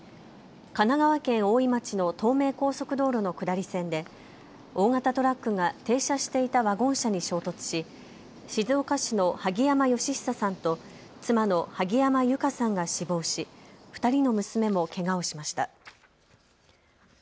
神奈川県大井町の東名高速道路の下り線で大型トラックが停車していたワゴン車に衝突し静岡市の萩山嘉久さんと妻の萩山友香さんが死亡し２人の娘もけがをしました。